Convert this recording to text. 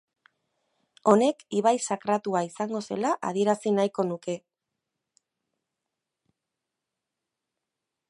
Honek ibai sakratua izango zela adierazi nahiko luke.